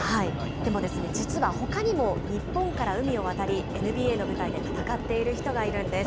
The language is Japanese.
でもですね、実はほかにも、日本から海を渡り、ＮＢＡの舞台で戦っている人がいるんです。